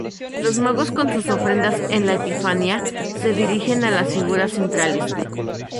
Los Magos con sus ofrendas, en la Epifanía, se dirigen a las figuras centrales.